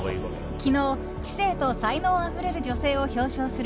昨日、知性と才能あふれる女性を表彰する。